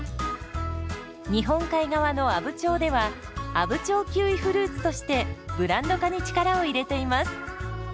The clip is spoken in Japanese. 日本海側の阿武町では「阿武町キウイフルーツ」としてブランド化に力を入れています。